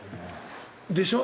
でしょ？